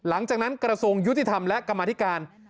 หลังจากนั้นกระทรวงยุติธรรมและกรรมธิการ